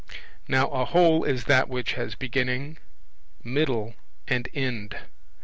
Now a whole is that which has beginning, middle, and end.